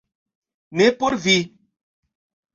- Ne por vi